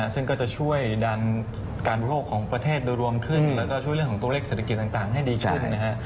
ซึ่งก็จะช่วยดันการบริโภคของประเทศโดยรวมขึ้นแล้วก็ช่วยเรื่องของตัวเลขเศรษฐกิจต่างให้ดีขึ้นนะฮะ